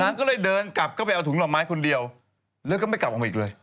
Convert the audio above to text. ก็เลยเดินกลับเข้าไปเอาถุงห่อไม้คนเดียวแล้วก็ไม่กลับออกมาอีกเลย